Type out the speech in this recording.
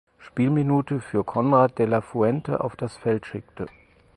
Spielminute für Konrad de la Fuente auf das Feld schickte.